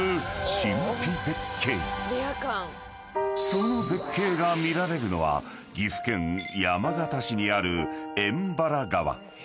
［その絶景が見られるのは岐阜県山県市にある］